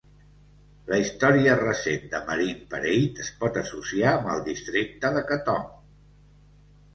La historia recent de Marine Parade es pot associar amb el districte de Katong.